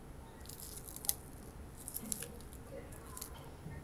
Jedná se o nejvyšší horu Turkmenistánu.